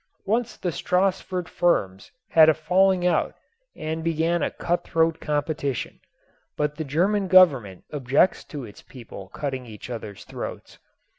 Once the Stassfurt firms had a falling out and began a cutthroat competition. But the German Government objects to its people cutting each other's throats.